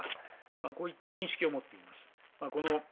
こういった認識を持っています。